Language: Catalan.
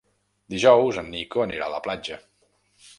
Dijous en Nico anirà a la platja.